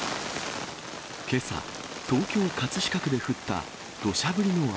けさ、東京・葛飾区で降ったどしゃ降りの雨。